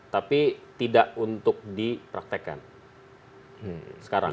tapi tidak untuk dipraktekkan sekarang